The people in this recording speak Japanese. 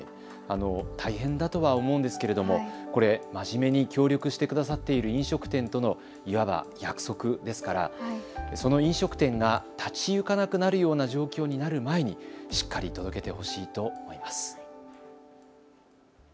大変だとは思うんですけれども真面目に協力してくださっている飲食店とのいわば約束ですからその飲食店が立ち行かなくなるような状況になる前にしっかり届けてほしいと思います。